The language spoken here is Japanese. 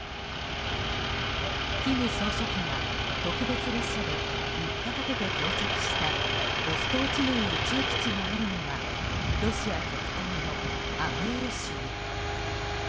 金総書記が特別列車で３日かけて到着したボストーチヌイ宇宙基地があるのはロシア極東のアムール州。